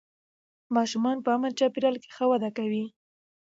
ماشومان په امن چاپېریال کې ښه وده کوي